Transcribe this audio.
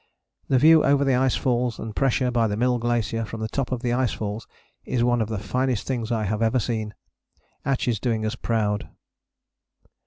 The view over the ice falls and pressure by the Mill Glacier from the top of the ice falls is one of the finest things I have ever seen. Atch is doing us proud."